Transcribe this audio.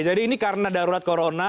jadi ini karena darurat corona